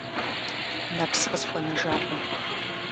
Нэпс къысхуэнэжакъым.